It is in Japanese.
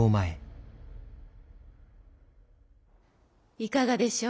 いかがでしょう